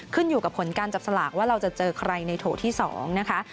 ขึ้นอยู่กับผลการจับสลากว่าเราจะเจอใครในโถที่๒นะคะ